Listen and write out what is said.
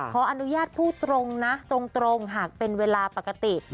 ขออนุญาตพูดตรงนะตรงหากเป็นเวลาปกติ